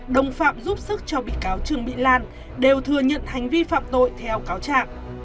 đồng phạm giúp sức cho bị cáo trương mỹ lan đều thừa nhận hành vi phạm tội theo cáo trạng